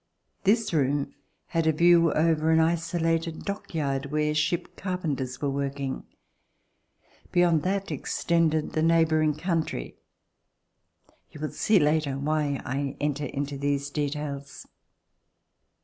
This room had a view over an isolated dock yard where ship carpenters were working. Beyond that extended the neighboring country. You will see later why I enter into these details.